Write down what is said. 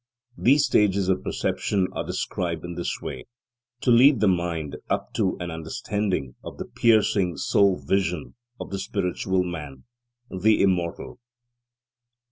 These stages of perception are described in this way, to lead the mind up to an understanding of the piercing soul vision of the spiritual man, the immortal.